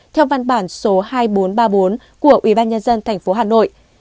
theo văn bản số hai nghìn bốn trăm ba mươi bốn của ủy ban nhân dân thành phố hà nội